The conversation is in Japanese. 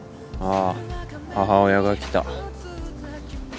あー母親が来た。